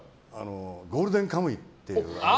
「ゴールデンカムイ」っていう。